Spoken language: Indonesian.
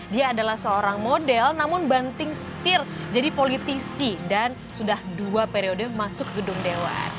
dia adalah seorang model namun banting setir jadi politisi dan sudah dua periode masuk gedung dewan